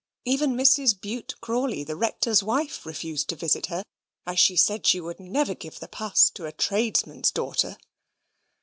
Even Mrs. Bute Crawley, the Rector's wife, refused to visit her, as she said she would never give the pas to a tradesman's daughter.